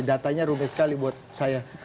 datanya rumit sekali buat saya